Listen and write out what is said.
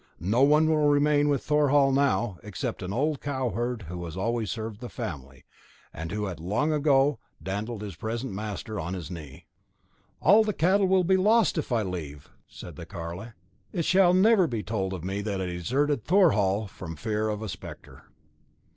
No one will remain with Thorhall now, except an old cowherd who has always served the family, and who had long ago dandled his present master on his knee. "All the cattle will be lost if I leave," said the carle; "it shall never be told of me that I deserted Thorhall from fear of a spectre."